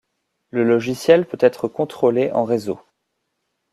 Le logiciel peut être controlé en réseau.